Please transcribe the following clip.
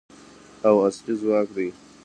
او اصلي ځواک دی.